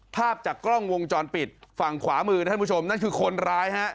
ภาพจากกล้องวงจรปิดฝั่งขวามือท่านผู้ชมนั่นคือคนร้ายฮะ